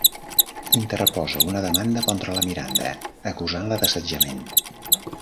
Interposa una demanda contra la Miranda, acusant-la d'assetjament.